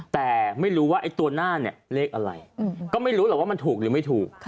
แต่ไม่รู้ว่าไอ้ตัวหน้าเนี่ยเลขอะไรก็ไม่รู้หรอกว่ามันถูกหรือไม่ถูก